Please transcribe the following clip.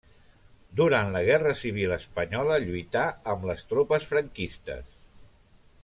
Durant la guerra civil espanyola lluità amb les tropes franquistes.